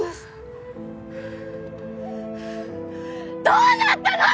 どうなったの！